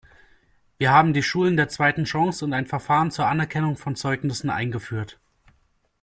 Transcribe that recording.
Wir haben die "Schulen der zweiten Chance" und Verfahren zur Anerkennung von Zeugnissen eingeführt.